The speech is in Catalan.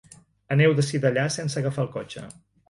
Aneu d'ací d'allà sense agafar el cotxe.